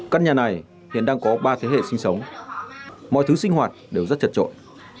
căn nhà này hiện đang có ba thế hệ sinh sống mọi thứ sinh hoạt đều rất chật trội